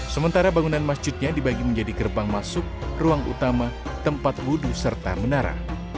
sementara bangunan masjidnya dibagi menjadi gerbang masuk ruang utama tempat wudhu serta menara